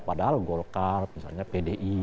padahal golkar pdi